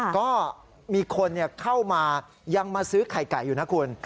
ก็มีคนเข้ามายังมาซื้อไข่ไก่อยู่นะคุณ